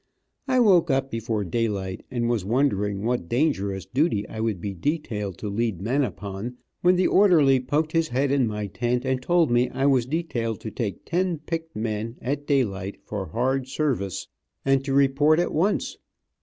I woke up before daylight and was wondering what dangerous duty I would be detailed to lead men upon, when the orderly poked his head in my tent and told me I was detailed to take ten picked men, at daylight, for hard service, and to report at once.